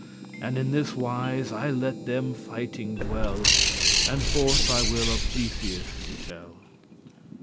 And in this wise I let them fighting dwell, And forth I will of Theseus you tell.